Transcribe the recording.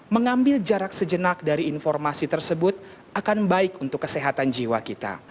mengambil jarak sejenak dari informasi tersebut akan baik untuk kesehatan jiwa kita